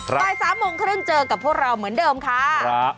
เรื่องเจอกับพวกเราเหมือนเดิมค่ะ